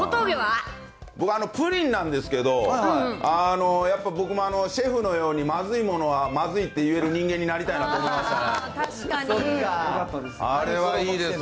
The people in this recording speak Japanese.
僕は、あのプリンなんですけど、やっぱ僕もシェフのように、まずいものはまずいって言える人間になりたいなと思いましたね。